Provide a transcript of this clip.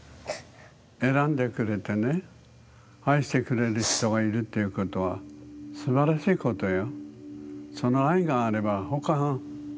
選んでくれてね愛してくれる人がいるっていうことはすばらしいことよ。